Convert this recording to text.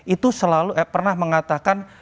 itu selalu pernah mengatakan